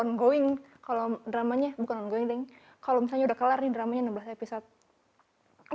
ongoing kalau dramanya bukan ongoing kalau misalnya udah kelar ini dramanya enam belas episode